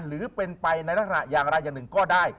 หรือเป็นไปในลักษณะอย่างไรอย่างหนึ่งก็ได้